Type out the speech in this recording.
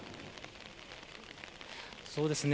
そうですね。